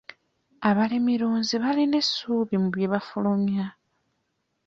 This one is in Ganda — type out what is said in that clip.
Abalimirunzi balina essuubi mu bye bafulumya.